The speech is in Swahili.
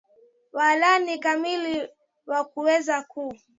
walaani kamili wa kuweza ku